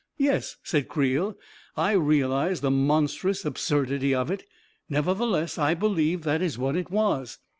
41 Yes," said Creel, 4< I realize the monstrous ab surdity of it. Nevertheless, I believe that is what it was